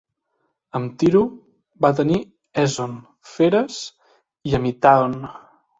Amb Tiro, va tenir Èson, Feres i Amitàon.